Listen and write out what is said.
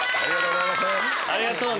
ありがとうね。